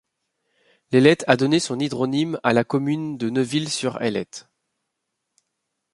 L'Ailette a donné son hydronyme à la commune de Neuville-sur-Ailette.